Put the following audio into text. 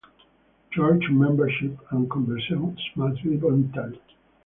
Church membership and conversions must be voluntary.